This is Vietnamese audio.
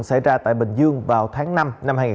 xảy ra tại bình dương vào tháng năm năm hai nghìn một mươi chín